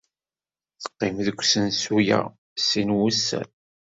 Teqqim deg usensu-a sin n wussan.